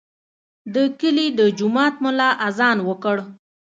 د کلي د جومات ملا اذان وکړ.